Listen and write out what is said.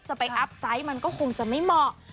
จะไปอัพไซต์มันก็คงจะไม่เหมาะ